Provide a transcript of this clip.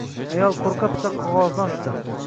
Ayol qoʻrqa-pisa qogʻozni ochdi